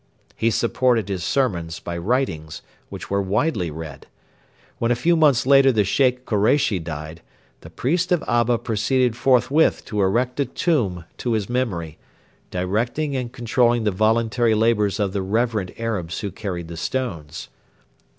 He supported his sermons by writings, which were widely read. When a few months later the Sheikh Koreishi died, the priest of Abba proceeded forthwith to erect a tomb to his memory, directing and controlling the voluntary labours of the reverent Arabs who carried the stones.